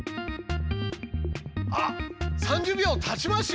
あっ３０秒たちますよ。